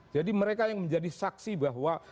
jadi mereka yang menjadi saksi bahwa